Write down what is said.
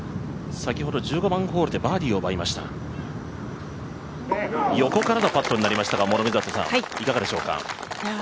先ほど１５番ホールでバーディーを奪いましたが、横からのパットになりましたがいかがでしょうか。